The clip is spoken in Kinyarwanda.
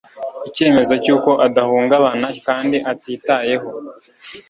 Icyemezo cyuko adahungabana kandi atitayeho